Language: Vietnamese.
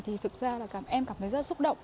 thì thực ra là em cảm thấy rất xúc động